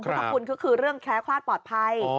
คุณท่านคุณคือเรื่องแคลฟภาษณ์ปลอดภัย